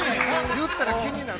言ったら気になる。